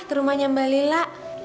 ke rumahnya mbak lila